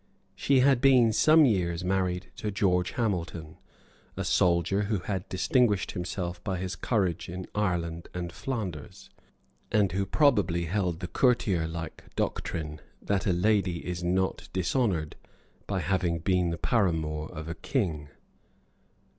She had been some years married to George Hamilton, a soldier who had distinguished himself by his courage in Ireland and Flanders, and who probably held the courtier like doctrine that a lady is not dishonoured by having been the paramour of a king.